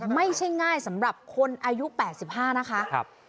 ไม่ใช่ง่ายสำหรับคนอายุ๘๕นะคะ